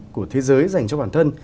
của thế giới dành cho bản thân